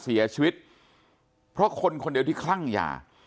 คุณยายบอกว่ารู้สึกเหมือนใครมายืนอยู่ข้างหลัง